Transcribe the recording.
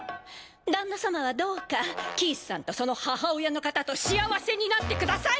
旦那様はどうかキースさんとその母親の方と幸せになってください！